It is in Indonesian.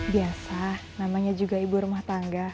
biasa namanya juga ibu rumah tangga